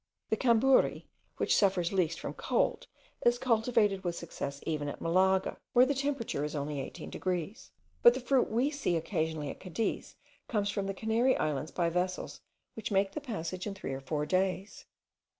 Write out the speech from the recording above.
The Camburi, which suffers least from cold, is cultivated with success even at Malaga, where the temperature is only 18 degrees; but the fruit we see occasionally at Cadiz comes from the Canary Islands by vessels which make the passage in three or four days.